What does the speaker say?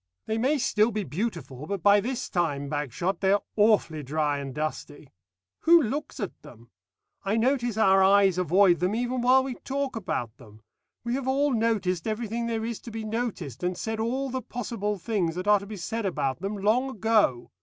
They may still be beautiful, but by this time, Bagshot, they are awfully dry and dusty. Who looks at them? I notice our eyes avoid them even while we talk about them. We have all noticed everything there is to be noticed, and said all the possible things that are to be said about them long ago.